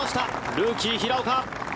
ルーキー、平岡。